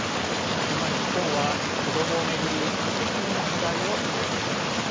今、日本は子どもを巡る、いくつもの課題を抱えています。